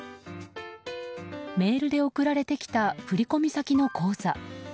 メールで送られてきた振り込み先の口座。